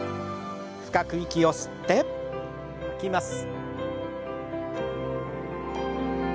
深く息を吸って吐きます。